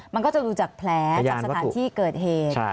มันก็จะดูจากแผลจากสถานที่เกิดเหตุ